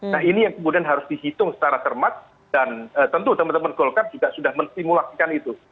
nah ini yang kemudian harus dihitung secara cermat dan tentu teman teman golkar juga sudah menstimulasikan itu